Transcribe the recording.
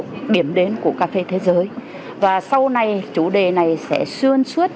là bumathu điểm đến của cà phê thế giới và sau này chủ đề này sẽ xuyên suốt